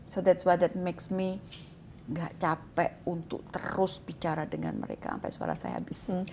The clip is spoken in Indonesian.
so that s what makes me gak capek untuk terus bicara dengan mereka sampai suara saya habis